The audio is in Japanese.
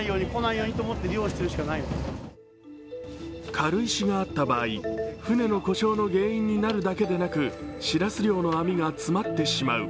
軽石があった場合、船の故障の原因になるだけでなくしらす漁の網が詰まってしまう。